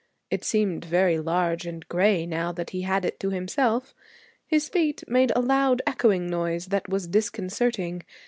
It seemed very large and gray now that he had it to himself. His feet made a loud echoing noise that was disconcerting.